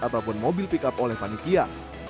ataupun mobil pickup oleh panikia